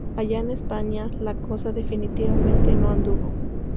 Allá en España la cosa definitivamente no anduvo.